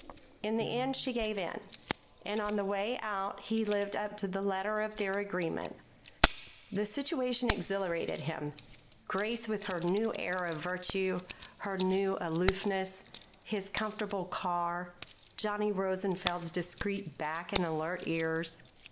In the end she gave in. And on the way out he lived up to the letter of their agreement. The situation exhilarated him: Grace with her new air of virtue, her new aloofness; his comfortable car; Johnny Rosenfeld's discreet back and alert ears.